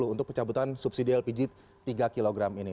untuk pencabutan subsidi lpg tiga kg ini